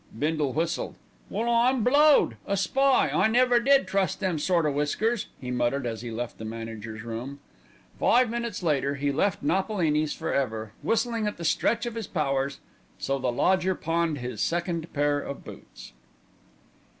Bindle whistled. "Well, I'm blowed! A spy! I never did trust them sort o' whiskers," he muttered as he left the manager's room. Five minutes later he left Napolini's for ever, whistling at the stretch of his powers "So the Lodger Pawned His Second Pair of Boots."